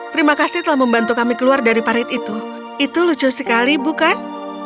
terima kasih telah membantu kami keluar dari parit itu itu lucu sekali bukan